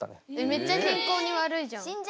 めっちゃ健康に悪いじゃん。